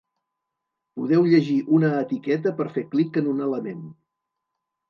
Podeu llegir una etiqueta per fer clic en un element.